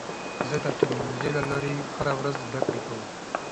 زه د ټکنالوژۍ له لارې هره ورځ زده کړه کوم.